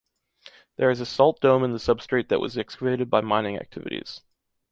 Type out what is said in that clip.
There is a salt dome in the substrate that was excavated by mining activities.